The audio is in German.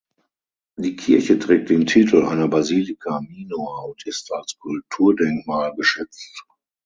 Die Kirche trägt den Titel einer Basilica minor und ist als Kulturdenkmal geschützt.